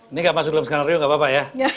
ini nggak masuk dalam skenario gak apa apa ya